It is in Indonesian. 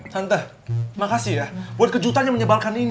tante makasih ya buat kejutannya menyebalkan ini